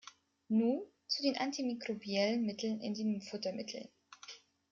Nun zu den antimikrobiellen Mitteln in den Futtermitteln.